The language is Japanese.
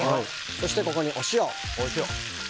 そして、ここにお塩。